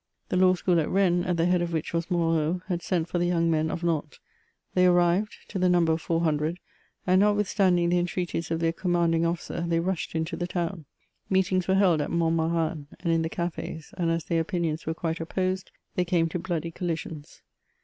The law school at Rennes, at the head of which was Moreau, had sent for the young men of Nantes ; they arrived, to the num ber of 400, and, notwithstanding the intreaties of their com manding officer, they rushed into the town. Meetings were held at Montmarin and in the caf6s, and as their opinions were quite opposed, they came to bloody collisions.